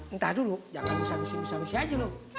entah dulu jangan bisa bisa bisa aja loh